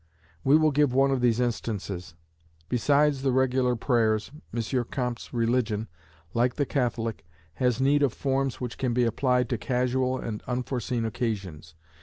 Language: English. We will give one of these instances. Besides the regular prayers, M. Comte's religion, like the Catholic, has need of forms which can be applied to casual and unforeseen occasions.